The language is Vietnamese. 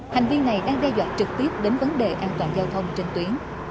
hành vi này đang đe dọa trực tiếp đến vấn đề an toàn giao thông trên tuyến